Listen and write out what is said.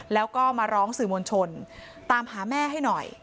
แล้วก็มาร้องสื่อมวลชนตามหาแม่ให้หน่อย